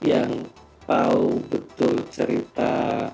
yang tahu betul cerita